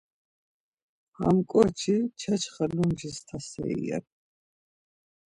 Ham ǩoçi çaçxa lumcis taseri ren.